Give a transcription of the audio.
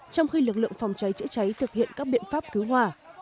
trong khi lực lượng phòng cháy chữa cháy thực hiện các biện pháp cứu hỏa